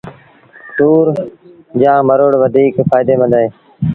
سُور جآݩ مروڙ لآ وڌيٚڪ ڦآئيٚدي مند اهي